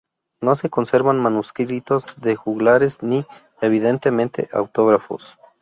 No se conservan manuscritos de juglares ni, evidentemente, autógrafos.